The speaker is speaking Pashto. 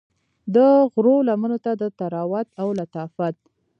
د غرو لمنو ته د طراوت او لطافت